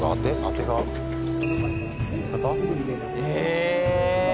え！